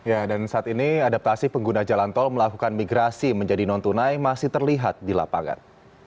ya dan saat ini adaptasi pengguna jalan tol melakukan migrasi menjadi non tunai masih terlihat di lapangan